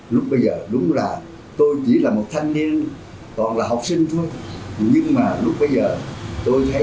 lúc bây giờ đúng là tôi chỉ là một thanh niên toàn là học sinh thôi